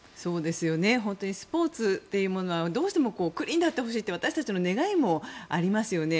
スポーツというものはどうしてもクリーンであってほしいという私たちの願いもありますよね。